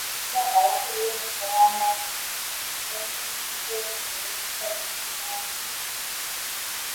Bannayuganda abakolera emitala wamayanja bayimiriziddwa okudda olw'ekirwadde bbunansi.